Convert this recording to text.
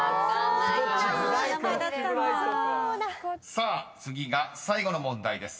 ［さあ次が最後の問題です］